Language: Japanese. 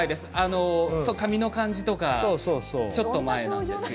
髪の毛の感じとかちょっと前なんです。